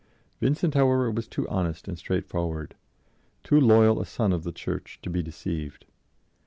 Vincent, however, was too honest and straightforward, too loyal a son of the Church, to be deceived.